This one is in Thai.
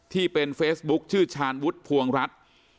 ที่เป็นเฟซบุ๊คชื่อชาญวุฒิภวงรัฐ